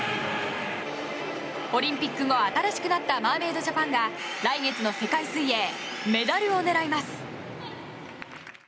オリンピック後新しくなったマーメイドジャパンが来月の世界水泳メダルを狙います。